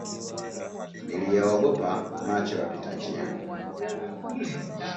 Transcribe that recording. Niliyaogopa macho ya wa pita njia